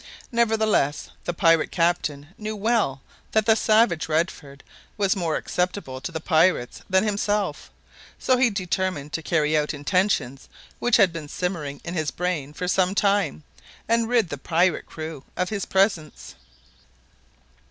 Nevertheless, the pirate captain knew well that the savage Redford was more acceptable to the pirates than himself so he determined to carry out intentions which had been simmering in his brain for some time, and rid the pirate crew of his presence.